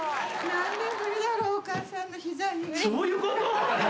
何年ぶりだろう、お母さんのそういうこと？